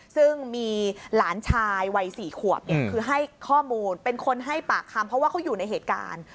ซึ่งมีหลานชายวัย๔ขวบเนี่ยคือให้ข้อมูลเป็นคนให้ปากคำเพราะว่าเขาอยู่ในเหตุการณ์